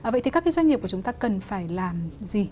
vậy thì các cái doanh nghiệp của chúng ta cần phải làm gì